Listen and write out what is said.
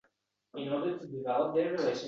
«Shoshma, yo’lchi